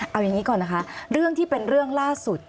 เอาอย่างนี้ก่อนนะคะเรื่องที่เป็นเรื่องล่าสุด